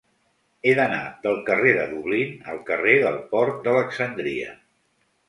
He d'anar del carrer de Dublín al carrer del Port d'Alexandria.